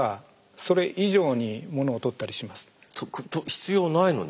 必要ないのに？